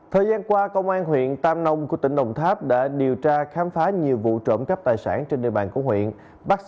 thời gian qua công an huyện tam nông của tỉnh đồng tháp đã điều tra khám phá